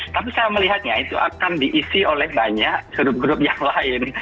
tapi saya melihatnya itu akan diisi oleh banyak grup grup yang lain